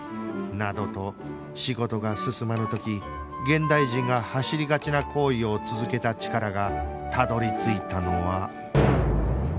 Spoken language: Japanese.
などと仕事が進まぬ時現代人が走りがちな行為を続けたチカラがたどり着いたのは